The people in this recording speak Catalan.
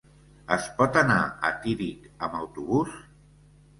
Es pot anar a Tírig amb autobús?